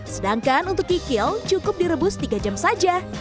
sedangkan untuk kikil cukup direbus tiga jam saja